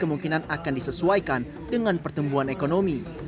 kemungkinan akan disesuaikan dengan pertumbuhan ekonomi